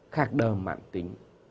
khạc đờm mạng tính